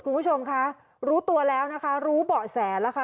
คุณผู้ชมคะรู้ตัวแล้วนะคะรู้เบาะแสแล้วค่ะ